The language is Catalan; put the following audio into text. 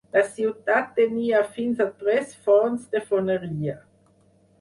La ciutat tenia fins a tres forns de foneria.